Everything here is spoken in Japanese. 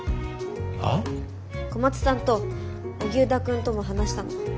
小松さんと荻生田くんとも話したの。